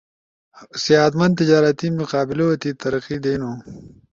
ؤ صحت مند تجارتی مقابلؤ تی ترقی دینو۔